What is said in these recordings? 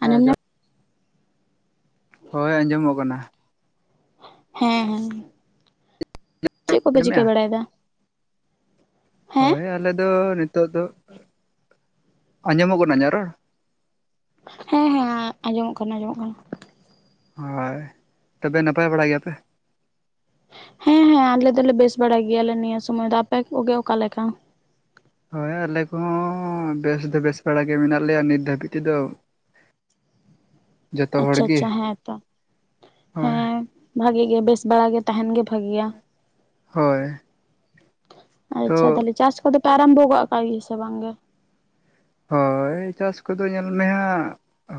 ᱟᱸᱡᱚᱢ ᱦᱮᱸ ᱡᱚ ᱧᱟᱢ ᱦᱳᱭ ᱟᱸᱡᱚᱢᱚᱜ ᱠᱟᱱᱟ ᱦᱮᱸ ᱦᱮᱸ ᱪᱮᱫ ᱠᱚᱯᱮ ᱪᱤᱠᱟᱹ ᱟᱸᱡᱚᱢᱮᱜᱼᱟ ᱵᱟᱲᱟᱭᱮᱫᱟ? ᱦᱮᱸ ᱦᱳᱭ ᱟᱞᱮ ᱫᱚ ᱱᱤᱛᱚᱜ ᱫᱚ ᱟᱸᱡᱚᱢᱚᱜ ᱠᱟᱱᱟ ᱤᱧᱟᱜ ᱨᱚᱲ? ᱦᱮᱸ ᱦᱮᱸ ᱟᱸᱡᱚᱢᱚᱜ ᱠᱟᱱᱟ ᱟᱸᱡᱚᱢᱚᱜ ᱠᱟᱱᱟ ᱦᱳᱭ ᱛᱚᱵᱮ ᱱᱟᱯᱟᱭ ᱵᱟᱲᱟ ᱜᱮᱭᱟᱯᱮ? ᱦᱮᱸ ᱦᱮᱸ ᱟᱞᱮ ᱫᱚᱞᱮ ᱵᱮᱥ ᱵᱟᱲᱟ ᱜᱮᱭᱟᱞᱮ ᱱᱤᱭᱟᱹ ᱥᱚᱢᱚᱭ ᱫᱚ ᱟᱯᱮ ᱠᱚᱜᱮ ᱚᱠᱟᱞᱮᱠᱟ? ᱦᱳᱭ ᱟᱞᱮ ᱠᱚᱦᱚᱸ ᱵᱮᱥ ᱫᱚ ᱵᱮᱥ ᱵᱟᱲᱟ ᱜᱮ ᱢᱮᱱᱟᱜ ᱞᱮᱭᱟ ᱱᱤᱛ ᱫᱷᱟᱹᱵᱤᱡ ᱛᱮᱫᱚ ᱡᱷᱚᱛᱚ ᱦᱚᱲ ᱟᱪᱪᱷᱟ ᱜᱤ, ᱟᱪᱪᱷᱟ ᱦᱮᱸ ᱦᱳᱭ ᱵᱷᱟᱹᱜᱤ ᱜᱮ ᱵᱮᱥ ᱵᱟᱲᱟ ᱜᱮ ᱛᱟᱦᱮᱱ ᱜᱮ ᱵᱷᱟᱹᱜᱤᱭᱟ ᱦᱳᱭ ᱛᱚ ᱟᱪᱪᱷᱟ ᱛᱟᱦᱚᱞᱮ ᱪᱟᱥ ᱠᱚᱫᱚ ᱯᱮ ᱟᱨᱟᱢᱵᱷᱚ ᱠᱟᱜ ᱜᱮ ᱥᱮ ᱵᱟᱝᱜᱮ? ᱦᱳᱭ ᱪᱟᱥ ᱠᱚᱫᱚ ᱧᱮᱞ ᱢᱮ ᱦᱟᱸᱜ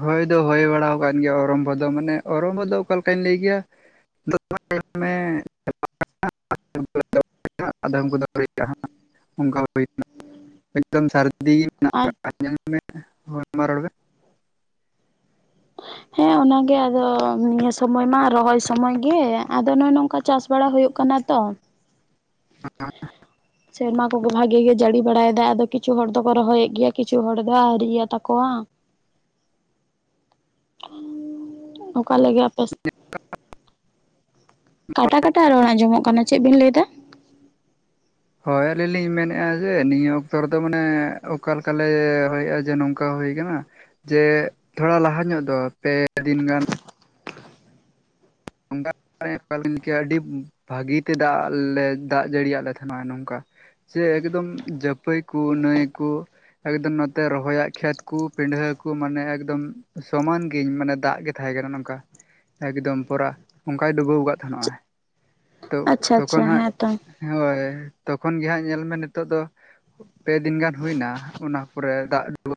ᱦᱳᱭ ᱫᱚ ᱦᱳᱭ ᱵᱟᱲᱟ ᱟᱠᱟᱱ ᱜᱮᱭᱟ ᱚᱨᱚᱢᱵᱚ ᱫᱚ ᱢᱟᱱᱮ ᱚᱨᱚᱢᱵᱚᱫᱚ ᱚᱠᱟ ᱞᱮᱠᱟᱧ ᱞᱟᱹᱭ ᱠᱮᱭᱟ [inaudible] [inaudible] [inaudible] [inaudible] ᱮᱠᱫᱚᱢ ᱥᱟᱹᱨᱫᱤ ᱟᱡᱽ [inaudible] ᱦᱚᱲᱢᱟ ᱨᱚᱲ ᱦᱮᱸ ᱚᱱᱟᱜᱮ ᱟᱫᱚ ᱱᱤᱭᱟᱹ ᱥᱚᱢᱚᱭ ᱢᱟ ᱨᱚᱦᱚᱭ ᱥᱚᱢᱚᱭ ᱜᱮ ᱟᱫᱚ ᱱᱚᱜᱼᱚᱭ ᱱᱚᱝᱠᱟ ᱪᱟᱥ ᱵᱟᱲᱟ ᱦᱳᱭᱳᱜ ᱠᱟᱱᱟ ᱛᱚ ᱦᱮᱸ [inaudible] ᱥᱮᱨᱢᱟ ᱠᱚ ᱵᱷᱟᱹᱜᱮ ᱜᱮ ᱡᱟᱹᱲᱤ ᱵᱟᱲᱟᱭᱮᱫᱟᱭ ᱟᱫᱚ ᱠᱤᱪᱷᱩ ᱦᱚᱲ ᱫᱚᱠᱚ ᱨᱚᱦᱚᱭᱮᱫ ᱜᱮᱭᱟ ᱠᱤᱪᱷᱩ ᱦᱚᱲ ᱫᱚ ᱟᱹᱣᱨᱤᱭᱟ ᱛᱟᱠᱚᱣᱟ [inaudible] ᱚᱠᱟ ᱞᱮᱠᱟ ᱟᱯᱮ ᱥᱮᱫ? ᱠᱟᱴᱟᱠᱟᱴᱟ ᱨᱚᱲ ᱟᱹᱡᱚᱢᱚᱜ ᱠᱟᱱᱟ ᱪᱮᱫ ᱵᱤᱱ ᱞᱟᱹᱭ ᱮᱫᱟ ᱦᱳᱭ ᱟᱹᱞᱤᱧ ᱞᱤᱧ ᱢᱮᱱᱮᱫᱼᱟ ᱡᱮ ᱱᱤᱭᱟᱹ ᱚᱠᱛᱚ ᱨᱮᱫᱚ ᱢᱟᱱᱮ ᱚᱠᱟ ᱞᱮᱠᱟ ᱞᱮ ᱦᱚᱮᱫᱼᱟ ᱡᱮ ᱱᱚᱝᱠᱟ ᱚᱱᱠᱟ ᱦᱩᱭ ᱠᱟᱱᱟ ᱡᱮ ᱛᱷᱚᱲᱟ ᱞᱟᱦᱟ ᱧᱚᱜ ᱫᱚ ᱯᱮ ᱫᱤᱱ ᱜᱟᱱ ᱚᱱᱠᱟ ᱞᱮᱠᱟ ᱭᱮᱱ ᱜᱮᱭᱟ ᱟᱹᱰᱤ ᱵᱷᱟᱹᱜᱤᱛᱮ ᱫᱟᱜ ᱞᱮ ᱫᱟᱜ ᱡᱟᱹᱲᱤᱭᱟᱜ ᱞᱮ ᱛᱟᱦᱮᱱᱟ ᱱᱚᱝᱠᱟ ᱥᱮ ᱮᱠᱫᱚᱢ ᱡᱟᱹᱯᱟᱹᱭ ᱠᱩ ᱱᱟᱹᱭ ᱠᱩ ᱮᱠᱫᱚᱢ ᱱᱚᱛᱮ ᱨᱚᱦᱚᱭᱟᱜ ᱠᱷᱮᱛ ᱠᱩ ᱯᱤᱰᱷᱟᱹ ᱠᱩ ᱢᱟᱱᱮ ᱮᱠᱫᱚᱢ ᱥᱚᱢᱟᱱ ᱜᱤᱧ ᱢᱟᱱᱮ ᱫᱟᱜ ᱜᱮ ᱛᱟᱦᱮᱸ ᱠᱟᱱᱟ ᱱᱚᱝᱠᱟ ᱮᱠᱫᱚᱢ ᱯᱚᱨᱟ ᱚᱱᱠᱟᱭ ᱰᱩᱵᱟᱹᱣ ᱠᱟᱫ ᱛᱟᱸᱦᱮ ᱱᱚᱜᱼᱟᱭ ᱛᱚ ᱟᱪᱪᱷᱟ ᱟᱪᱪᱷᱟ ᱛᱚᱠᱷᱚᱱ ᱦᱟᱸᱜ ᱦᱮᱸᱛᱚ ᱦᱳᱭ ᱛᱚᱠᱷᱚᱱ ᱜᱮ ᱦᱟᱸᱜ ᱧᱮᱞᱢᱮ ᱱᱤᱛᱚᱜ ᱫᱚ ᱯᱮ ᱫᱤᱱ ᱜᱟᱱ ᱦᱩᱭᱱᱟ ᱚᱱᱟ ᱛᱟᱯᱚᱨᱮ ᱫᱟᱜ ᱰᱩᱵᱟᱹ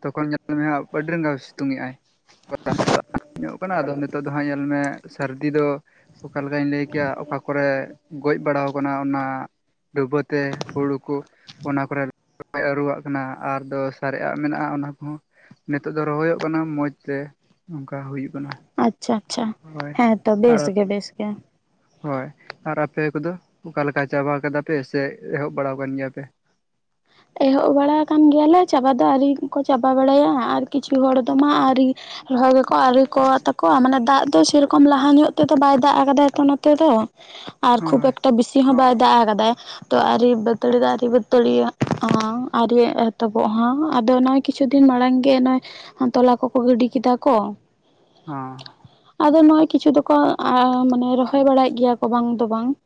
ᱛᱚᱠᱷᱚᱱ ᱧᱮᱞ ᱢᱮ ᱦᱟᱸ ᱟᱹᱰᱤ ᱨᱟᱸᱜᱟᱣ ᱥᱤᱛᱩᱝ ᱮᱜ ᱟᱭ ᱧᱚᱜ ᱠᱟᱱᱟ ᱟᱫᱚ ᱱᱤᱛᱚᱜ ᱫᱚ ᱦᱟᱸᱜ ᱧᱮᱞ ᱢᱮ ᱥᱟᱹᱨᱫᱤ ᱫᱚ ᱚᱠᱟᱞ ᱞᱮᱠᱟᱧ ᱞᱟᱹᱭ ᱠᱮᱭᱟ ᱚᱠᱟ ᱠᱚᱨᱮ ᱜᱚᱡ ᱵᱟᱲᱟᱣ ᱠᱟᱱᱟ ᱚᱱᱟ ᱰᱩᱵᱟᱹ ᱛᱮ ᱦᱩᱲᱩ ᱠᱩ ᱚᱱᱟ ᱠᱚᱨᱮ ᱟᱹᱨᱩᱣᱟᱜ ᱠᱟᱱᱟ ᱟᱨᱫᱚ ᱥᱟᱨᱮᱡᱽ ᱟᱜ ᱢᱮᱱᱟᱜᱼᱟ ᱚᱱᱟ ᱠᱚᱸᱦᱚ ᱱᱤᱛᱚᱜ ᱫᱚ ᱨᱚᱦᱚᱭᱚᱜ ᱠᱟᱱᱟ ᱢᱚᱸᱡᱽ ᱛᱮ ᱱᱚᱝᱠᱟ ᱦᱳᱭᱳᱜ ᱠᱟᱱᱟ ᱟᱪᱪᱷᱟ ᱟᱪᱪᱷᱟ ᱦᱳᱭ ᱦᱮᱸ ᱛᱚ ᱟᱨ ᱵᱮᱥ ᱜᱮ ᱵᱮᱥ ᱜᱮ ᱦᱳᱭ ᱟᱨ ᱟᱯᱮ ᱠᱚᱫᱚ ᱚᱠᱟᱞᱮᱠᱟ ᱪᱟᱵᱟ ᱠᱟᱫᱟ ᱯᱮ ᱥᱮ ᱮᱦᱚᱵ ᱵᱟᱲᱟ ᱟᱠᱟᱱ ᱜᱮᱭᱟᱯᱮ ᱮᱦᱚᱵ ᱵᱟᱲᱟ ᱟᱠᱟᱱ ᱜᱮᱭᱟᱞᱮ ᱪᱟᱵᱟ ᱫᱚ ᱟᱹᱣᱨᱤᱠᱚ ᱪᱟᱵᱟ ᱵᱟᱲᱟᱭᱟ ᱟᱨ ᱠᱤᱪᱷᱩ ᱦᱚᱲ ᱫᱚᱢᱟ ᱟᱹᱣᱨᱤ ᱨᱚᱦᱚᱭ ᱜᱮᱠᱚ ᱟᱹᱣᱨᱤ ᱛᱟᱠᱚᱣᱟ ᱢᱟᱱᱮ ᱫᱟᱜ ᱫᱚ ᱥᱮᱨᱚᱠᱚᱢ ᱞᱟᱦᱟ ᱧᱚᱜ ᱛᱮᱫᱚ ᱵᱟᱭ ᱫᱟᱜ ᱟᱠᱟᱫᱟ ᱱᱚᱛᱮ ᱫᱚ ᱟᱨ ᱠᱷᱩᱵ ᱦᱳᱭ ᱚᱠᱛᱚ ᱵᱮᱥᱤ ᱦᱚᱸ ᱵᱟᱭ ᱫᱟᱜ ᱟᱠᱟᱫᱟ ᱛᱚ ᱟᱨ ᱵᱟᱹᱛᱟᱹᱲᱤ ᱫᱚ ᱟᱨᱤ ᱵᱟᱹᱛᱟᱹᱲᱤᱟᱜ ᱦᱚᱸ ᱟᱹᱣᱨᱤ ᱮᱛᱚᱵᱚᱜ ᱦᱟᱸᱜ ᱟᱫᱚ ᱱᱚᱭ ᱠᱤᱪᱷᱩ ᱫᱤᱱ ᱢᱟᱲᱟᱝ ᱜᱮ ᱱᱚᱭ ᱛᱚᱞᱟ ᱠᱚᱠᱚ ᱜᱤᱰᱤ ᱠᱮᱫᱟ ᱠᱚ ᱾ ᱦᱚᱸ ᱾ ᱟᱫᱚ ᱱᱚᱜ-ᱚᱭ ᱠᱤᱪᱷᱩ ᱫᱚᱠᱚ ᱢᱟᱱᱮ ᱨᱚᱦᱚᱭ ᱵᱟᱲᱟᱭᱮᱫ ᱜᱮᱭᱟ ᱠᱚ ᱵᱟᱝ ᱫᱚ ᱵᱟᱝ ᱾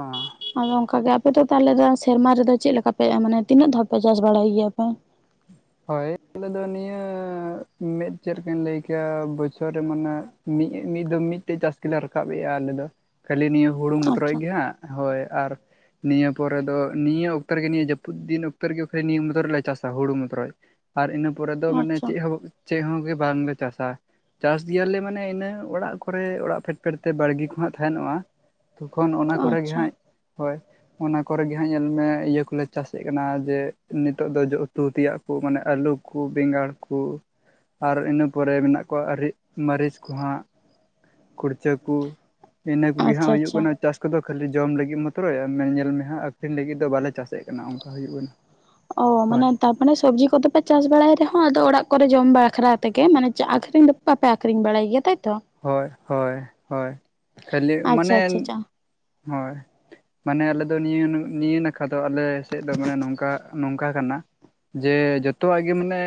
ᱦᱚᱸ ᱾ ᱟᱫᱚ ᱚᱱᱠᱟ ᱜᱮ, ᱟᱯᱮ ᱫᱚ ᱛᱟᱦᱞᱮ ᱫᱚ ᱥᱮᱨᱢᱟ ᱨᱮᱫᱚ ᱪᱮᱫ ᱞᱮᱠᱟ ᱯᱮ, ᱢᱟᱱᱮ ᱛᱤᱱᱟᱹᱜ ᱫᱷᱟᱣ ᱯᱮ ᱪᱟᱥ ᱵᱟᱲᱟᱭ ᱜᱮᱭᱟ ᱯᱮ? ᱦᱳᱭ ᱟᱞᱮ ᱫᱚ ᱱᱤᱭᱟᱹ ᱢᱮᱫ ᱪᱮᱫ ᱞᱮᱠᱟᱧ ᱞᱟᱹᱭ ᱠᱮᱭᱟ ᱵᱚᱪᱷᱚᱨ ᱨᱮ ᱢᱟᱱᱮ ᱢᱤᱫ ᱢᱤᱫ ᱫᱚ ᱢᱤᱫᱴᱮᱡ ᱪᱟᱥ ᱜᱮᱞᱮ ᱨᱟᱠᱟᱵᱮᱫᱼᱟ ᱟᱞᱮᱫ ᱫᱚ ᱠᱷᱟᱹᱞᱤ ᱱᱤᱭᱟᱹ ᱦᱩᱲᱩ ᱢᱚᱛᱨᱚᱡ ᱟᱪᱪᱷᱟ ᱜᱮ ᱦᱟᱸᱜ ᱦᱳᱭ ᱟᱨ ᱱᱤᱭᱟᱹ ᱯᱚᱨᱮ ᱫᱚ ᱱᱤᱭᱟᱹ ᱚᱠᱛᱚ ᱨᱮᱜᱮ ᱱᱤᱭᱟᱹ ᱡᱟᱹᱯᱩᱫ ᱫᱤᱱ ᱚᱠᱛᱚ ᱨᱮᱜᱮ ᱠᱷᱟᱹᱞᱤ ᱱᱤᱭᱟᱹ ᱢᱚᱛᱨᱚ ᱞᱮ ᱪᱟᱥᱟ ᱦᱩᱲᱩ ᱢᱚᱛᱨᱚᱡ ᱾ ᱟᱨ ᱤᱱᱟᱹ ᱯᱚᱨᱮ ᱫᱚ ᱢᱟᱱᱮ ᱟᱪᱪᱷᱟ ᱪᱮᱫ ᱦᱚᱸ ᱪᱮᱫ ᱦᱚᱸ ᱜᱮ ᱵᱟᱝᱞᱮ ᱪᱟᱥᱟ ᱾ ᱪᱟᱥ ᱜᱮᱭᱟᱞᱮ ᱢᱟᱱᱮ ᱤᱱᱟᱹ ᱚᱲᱟᱜ ᱠᱚᱨᱮ ᱚᱲᱟᱜ ᱯᱷᱮᱰ ᱯᱷᱮᱰ ᱛᱮ ᱵᱟᱲᱜᱮ ᱠᱚ ᱦᱟᱸᱜ ᱛᱟᱦᱮᱱᱚᱜᱼᱟ ᱛᱚᱠᱷᱚᱱ ᱚᱱᱟ ᱠᱚᱨᱮ ᱜᱮ ᱟᱪᱪᱷᱟ ᱦᱟᱸᱜ, ᱦᱳᱭ ᱚᱱᱟ ᱠᱚᱨᱮ ᱜᱮ ᱦᱟᱸᱜ ᱧᱮᱞ ᱢᱮ ᱤᱭᱟᱹ ᱠᱚᱞᱮ ᱪᱟᱥᱮᱫ ᱠᱟᱱᱟ ᱡᱮ ᱱᱤᱛᱚᱜ ᱫᱚ ᱡᱚ ᱩᱛᱩ ᱛᱮᱭᱟᱜ ᱠᱚ ᱢᱟᱱᱮ ᱟᱹᱞᱩ ᱠᱚ, ᱵᱮᱸᱜᱟᱲ ᱠᱚ ᱾ ᱟᱨ ᱤᱱᱟᱹ ᱯᱚᱨᱮ ᱢᱮᱱᱟᱜ ᱠᱚᱣᱟ ᱟᱨᱤ ᱢᱟᱹᱨᱤᱪ ᱠᱚ ᱦᱟᱸᱜ ᱾ ᱠᱩᱲᱪᱟᱹ ᱠᱚ ᱤᱱᱟᱹ ᱠᱚᱜᱮ ᱦᱟᱸᱜ ᱟᱪᱪᱷᱟ ᱦᱩᱭᱩᱜ ᱟᱪᱪᱷᱟ ᱠᱟᱱᱟ ᱾ ᱪᱟᱥ ᱠᱚᱫᱚ ᱠᱷᱟᱹᱞᱤ ᱡᱚᱢ ᱞᱟᱹᱜᱤᱫ ᱢᱚᱛᱨᱚᱡ ᱧᱮᱞ ᱢᱮ ᱦᱟᱸᱜ ᱟᱠᱷᱨᱤᱧ ᱞᱟᱹᱜᱤᱫ ᱫᱚ ᱵᱟᱞᱮ ᱪᱟᱥ ᱮᱫ ᱠᱟᱱᱟ ᱚᱱᱠᱟ ᱦᱩᱭᱩᱜ ᱠᱟᱱᱟ ᱾ ᱚ ᱢᱟᱱᱮ ᱛᱟᱯ ᱢᱟᱱᱮ ᱥᱚᱵᱽᱡᱤ ᱠᱚᱫᱚ ᱯᱮ ᱪᱟᱥ ᱵᱟᱲᱟᱭ ᱨᱮᱦᱚᱸ ᱟᱫᱚ ᱚᱲᱟᱜ ᱠᱚᱨᱮ ᱡᱚᱢ ᱵᱟᱠᱷᱨᱟ ᱛᱮᱜᱮ ᱢᱟᱱᱮ ᱟᱹᱠᱷᱨᱤᱧ ᱫᱚ ᱵᱟᱯᱮ ᱟᱠᱷᱨᱤᱧ ᱵᱟᱲᱟᱭ ᱜᱮᱭᱟ ᱛᱟᱭᱛᱚ? ᱦᱳᱭ ᱦᱳᱭ ᱦᱳᱭ, ᱠᱷᱟᱹᱞᱤ ᱟᱪᱪᱷᱟ ᱟᱪᱪᱷᱟ ᱢᱟᱱᱮ ᱟᱪᱪᱷᱟ ᱦᱳᱭ ᱾ ᱢᱟᱱᱮ ᱟᱞᱮ ᱫᱚ ᱱᱤᱭᱟᱹ ᱱᱤᱭᱟᱹ ᱱᱟᱠᱷᱟ ᱫᱚ ᱟᱞᱮ ᱥᱮᱫ ᱫᱚ ᱢᱟᱱᱮ ᱱᱚᱝᱠᱟ ᱱᱚᱝᱠᱟ ᱠᱟᱱᱟ ᱡᱮ ᱡᱚᱛᱚᱣᱟᱜ ᱜᱮ ᱢᱟᱱᱮ